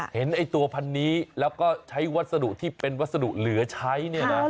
ไอ้ตัวพันนี้แล้วก็ใช้วัสดุที่เป็นวัสดุเหลือใช้เนี่ยนะ